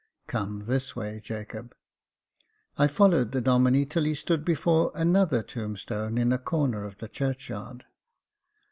Come this way, Jacob." I followed the Domine till he stood before another tombstone in a corner of the churchyard.